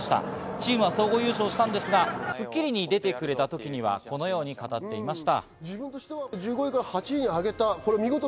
チームは総合優勝したんですが、『スッキリ』に出た時にはこのように語っていました。